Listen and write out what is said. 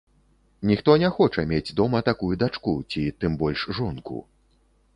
Ніхто не хоча мець дома такую дачку ці тым больш жонку.